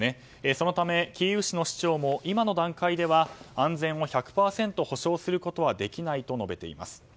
そのため、キーウ市の市長も今の段階では安全を１００％保障することはできないと述べています。